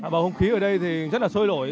bầu không khí ở đây thì rất là sôi nổi